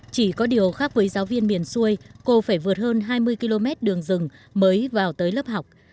chỉ có điều khác với giáo viên miền xuôi cô phải vượt hơn hai mươi km đường rừng mới vào tới lớp học